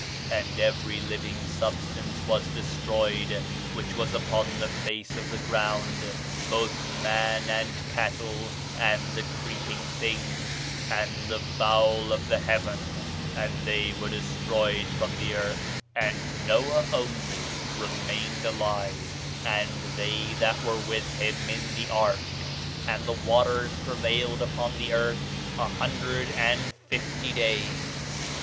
And every living substance was destroyed which was upon the face of the ground, both man, and cattle, and the creeping things, and the fowl of the heaven; and they were destroyed from the earth: and Noah only remained alive, and they that were with him in the ark. And the waters prevailed upon the earth a hundred and fifty days.